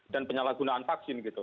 dan penyalahgunaan vaksin gitu